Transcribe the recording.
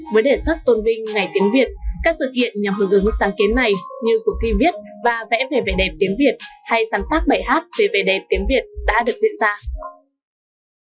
với đề xuất tôn vinh ngày tiếng việt các sự kiện nhằm hướng ứng sáng kiến này như cuộc thi viết và vẽ về vẻ đẹp tiếng việt hay sáng tác bài hát về vẻ đẹp tiếng việt đã được diễn ra